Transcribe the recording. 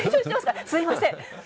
すみません。